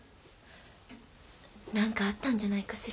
何かあったんじゃないかしら。